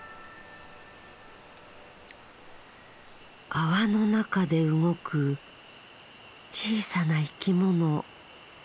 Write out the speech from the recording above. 泡の中で動く小さな生き物。